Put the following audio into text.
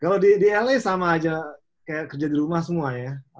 kalau di lay sama aja kayak kerja di rumah semua ya